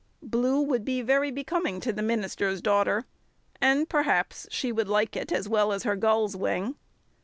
Blue would be very becoming to the minister's daughter, and perhaps she would like it as well as her gull's wing.